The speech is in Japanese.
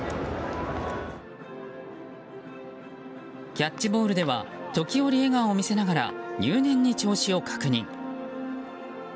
キャッチボールでは時折、笑顔を見せながら入念に調子を確認。